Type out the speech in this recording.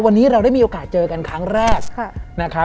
วันนี้เราได้มีโอกาสเจอกันครั้งแรกนะครับ